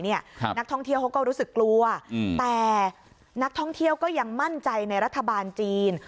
นักท่องเที่ยวเขาก็รู้สึกกลัวแต่นักท่องเที่ยวก็ยังมั่นใจในรัฐบาลจีน